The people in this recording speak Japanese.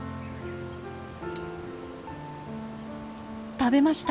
食べました。